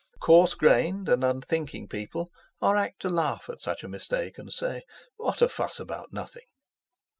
Coarse grained and unthinking people are apt to laugh at such a mistake, and say, 'What a fuss about nothing!'